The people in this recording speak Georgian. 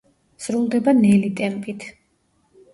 სრულდება ნელი ტემპით.